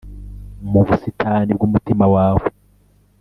mu busitani bwumutima wawe?